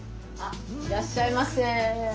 いらっしゃいませ。